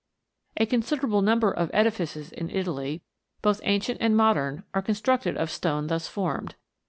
A considerable number of edifices in Italy, both ancient and modern, are constructed of stone thus formed.